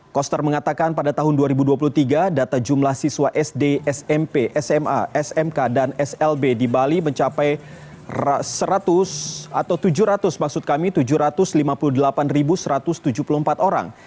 koster mengatakan pada tahun dua ribu dua puluh tiga data jumlah siswa sd smp sma smk dan slb di bali mencapai seratus atau tujuh ratus maksud kami tujuh ratus lima puluh delapan satu ratus tujuh puluh empat orang